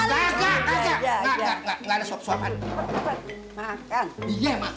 enggak enggak enggak enggak enggak enggak enggak enggak enggak enggak